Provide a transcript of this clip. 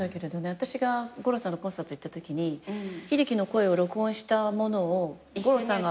私が五郎さんのコンサート行ったときに秀樹の声を録音したものを五郎さんが持っていて。